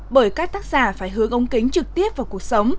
bởi các tác giả phải hướng ông kính trực tiếp vào cuộc sống